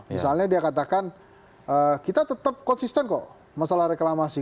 misalnya dia katakan kita tetap konsisten kok masalah reklamasi